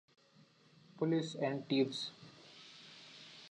"Police and Thieves".